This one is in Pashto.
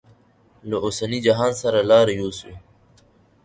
له اوسني جهان سره لاره یوسو.